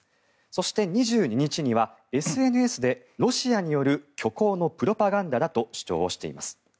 そして、２２日にはＳＮＳでロシアによる虚構のプロパガンダだと主張をしています。